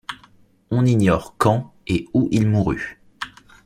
On ignore quand et où il mourut.